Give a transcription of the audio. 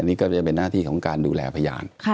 นี่ก็จะเป็นหน้าที่ของการดูแลพยาน